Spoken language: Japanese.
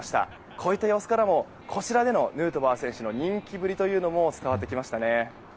こういった様子からもこちらでのヌートバー選手の人気ぶりというのも伝わってきましたね。